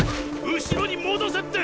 後ろに戻せって！